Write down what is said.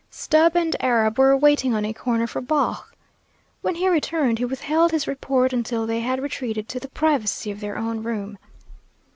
Stubb and Arab were waiting on a corner for Baugh. When he returned he withheld his report until they had retreated to the privacy of their own room.